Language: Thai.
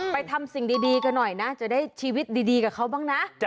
ทำสิ่งดีกันหน่อยนะจะได้ชีวิตดีกับเขาบ้างนะ